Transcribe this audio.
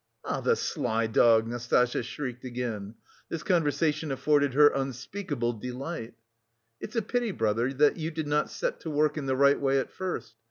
"Ah, the sly dog!" Nastasya shrieked again. This conversation afforded her unspeakable delight. "It's a pity, brother, that you did not set to work in the right way at first.